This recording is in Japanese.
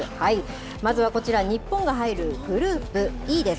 まずはこちら、日本が入るグループＥです。